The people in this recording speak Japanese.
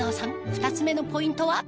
２つ目のポイントは？